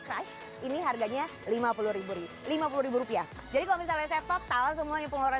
crush ini harganya lima puluh lima puluh rupiah jadi kalau misalnya saya total semuanya pengeluaran